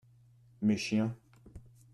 Mes chiens.